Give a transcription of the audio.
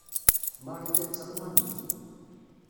Mariya d talmanit.